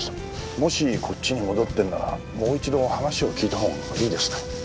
もしこっちに戻ってるのならもう一度話を聞いたほうがいいですね